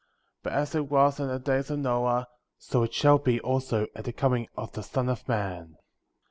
41. But as it was in the days of Noah, so it shall be also at the coming of the Son of Man ; 42.